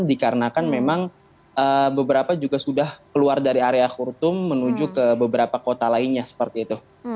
dikarenakan memang beberapa juga sudah keluar dari area khurtum menuju ke beberapa kota lainnya seperti itu